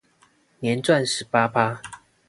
年賺十八趴